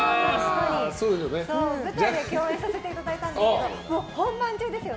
舞台で共演させていただいたんですけど本番中ですよ。